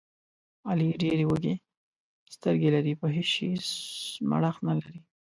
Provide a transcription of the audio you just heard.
علي ډېرې وږې سترګې لري، په هېڅ شي مړښت نه لري.